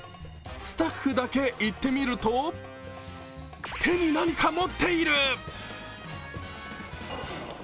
スタッフだけ行ってみると、手に何か持っている！